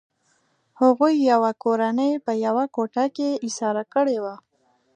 هغوی یوه کورنۍ په یوه کوټه کې ایساره کړې وه